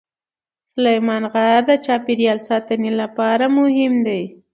سلیمان غر د چاپیریال ساتنې لپاره مهم دی.